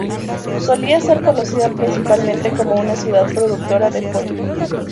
Solía ser conocida principalmente como una ciudad productora de pollo.